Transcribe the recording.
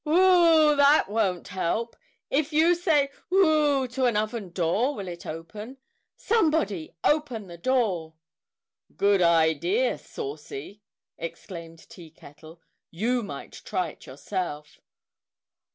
"Whew! That won't help! If you say Whew! to an oven door, will it open? Somebody open the door!" "Good idea, Saucy!" exclaimed Tea Kettle. "You might try it yourself!"